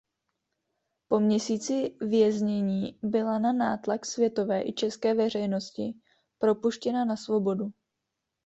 Po měsíci věznění byla na nátlak světové i české veřejnosti propuštěna na svobodu.